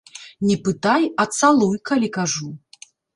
Не пытай, а цалуй, калі кажу!